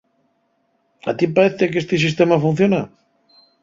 ¿A ti paezte qu'esti sistema funciona?